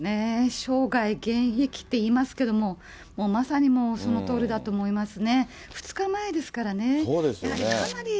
生涯現役っていいますけども、まさにもう、そのとおりだと思いますね。